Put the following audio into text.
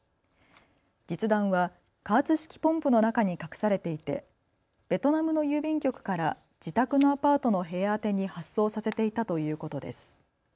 実弾は加圧式ポンプの中に隠されていてベトナムの郵便局から自宅のアパートの部屋宛てに発送させていたということです。